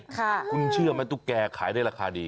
คุณเชื่อไหมตุ๊กแกขายได้ราคาดี